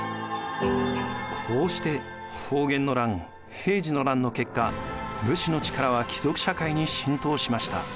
こうして保元の乱・平治の乱の結果武士の力は貴族社会に浸透しました。